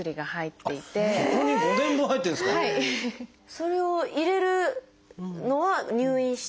それを入れるのは入院して？